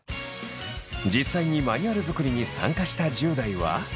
実際にマニュアル作りに参加した１０代は。